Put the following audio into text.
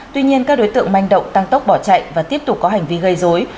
tuy nhiên các đối tượng manh động tăng tốc bỏ chạy và tiếp tục có hành vi gây dối